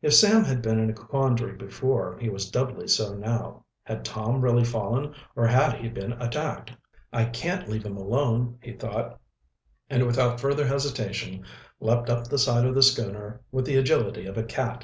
If Sam had been in a quandary before, he was doubly so now. Had Tom really fallen, or had he been attacked? "I can't leave him alone," he thought, and without further hesitation leaped up the side of the schooner with the agility of a cat.